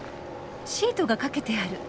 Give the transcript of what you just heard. シートがかけてある。